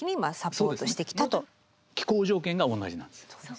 気候条件が同じなんです。